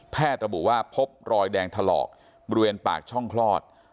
ระบุว่าพบรอยแดงถลอกบริเวณปากช่องคลอด